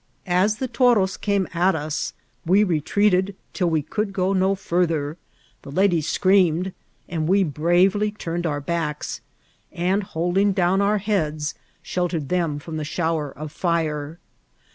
As the toros came at us, we retreated till we could go no farther; the ladies screamed, and we bravely turned our backs ; and holding down our heads, sheltered them from the shower of fire.